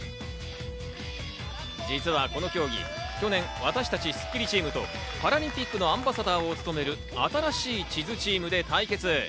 実はこの競技、去年、私達スッキリチームとパラリンピックのアンバサダーを務める新しい地図チームで対決。